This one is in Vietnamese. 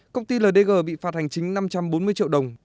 công ty ldg bị phạt hành chính năm trăm bốn mươi triệu đồng